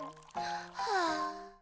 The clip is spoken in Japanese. はあ。